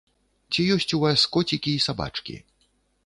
Ці ёсць у вас коцікі і сабачкі?